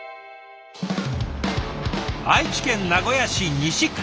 愛知県名古屋市西区。